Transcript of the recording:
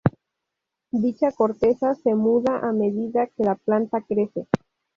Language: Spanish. Dicha corteza se muda a medida que la planta crece.